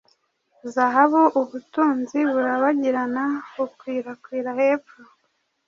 Zahabu-ubutunzi burabagirana bukwirakwira hepfo